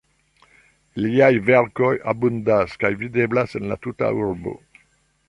Iliaj verkoj abundas kaj videblas en la tuta urbo.